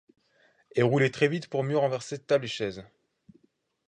et rouler très vite pour mieux renverser tables et chaises.